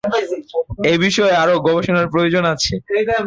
এবিষয়ে আরো গবেষণার প্রয়োজন আছে।